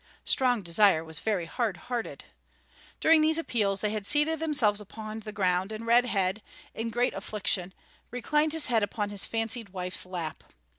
Strong Desire was very hard hearted. During these appeals they had seated themselves upon the ground, and Red Head, in great affliction, reclined his head upon his fancied wife's lap.